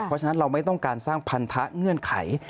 เพราะฉะนั้นเราไม่ต้องการสร้างพันธะเงื่อนไข